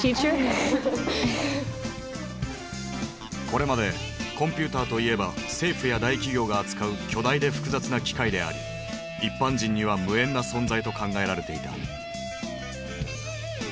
これまでコンピューターといえば政府や大企業が扱う巨大で複雑な機械であり一般人には無縁な存在と考えられていた。